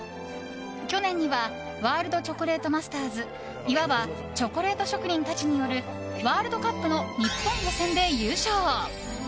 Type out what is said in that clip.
去年にはワールドチョコレートマスターズいわばチョコレート職人たちによるワールドカップの日本の予選で優勝。